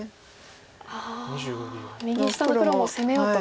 ああ右下の黒も攻めようと。